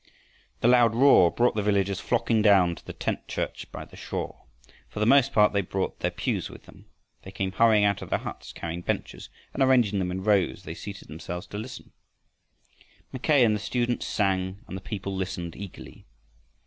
The loud roar brought the villagers flocking down to the tent church by the shore. For the most part they brought their pews with them. They came hurrying out of their huts carrying benches, and arranging them in rows they seated themselves to listen. Mackay and the students sang and the people listened eagerly.